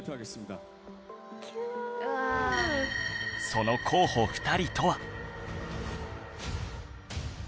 その候補２人とは